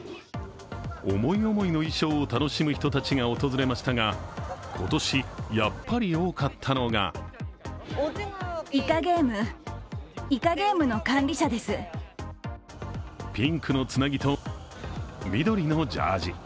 思い思いの衣装を楽しむ人たちが訪れましたが今年、やっぱり多かったのがピンクのつなぎと緑のジャージー。